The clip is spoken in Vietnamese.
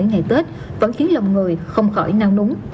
ngày tết vẫn khiến lòng người không khỏi nang núng